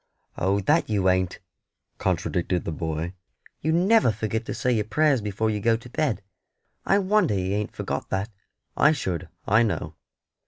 "Oh, that you ain't," contradicted the boy, "You never forget to say your prayers before you go to bed. I wonder you ain't forgot that; I should, I know."